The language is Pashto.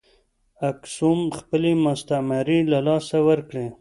اکسوم خپلې مستعمرې له لاسه ورکړې.